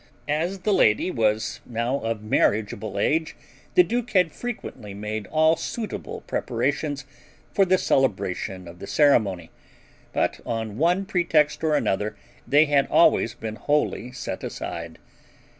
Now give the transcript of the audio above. As the lady was now of marriageable age, the duke had frequently made all suitable preparations for the celebration of the ceremony, but on one pretext or another they had always been wholly set aside.